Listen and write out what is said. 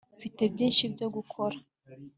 mfite byinshi byo gukora